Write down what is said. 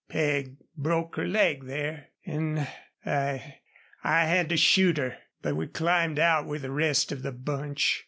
Peg broke her leg there, an' I I had to shoot her. But we climbed out with the rest of the bunch.